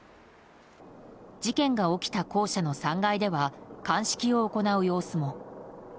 事件が起きた校舎の３階では鑑識を行う様子も。